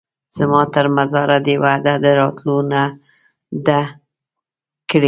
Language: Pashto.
زما تر مزاره دي وعده د راتلو نه ده کړې